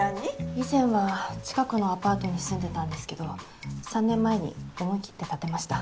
以前は近くのアパートに住んでたんですけど３年前に思い切って建てました。